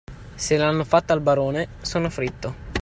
Se l'hanno fatta al barone, sono fritto!